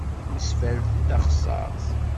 Mmesfalten taxessaṛt.